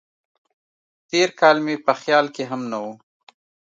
تېر کال مې په خیال کې هم نه و.